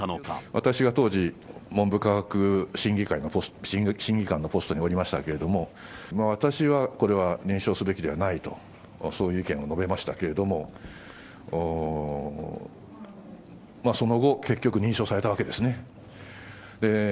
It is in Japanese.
私が当時、文部科学審議官のポストにおりましたけれども、私は、これは認証すべきではないと、そういう意見を述べましたけれども、その後、結局、認証されたわけですね。